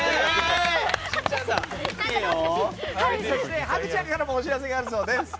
そしてハグちゃんからもお知らせがあるそうです。